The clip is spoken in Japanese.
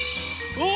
うわ！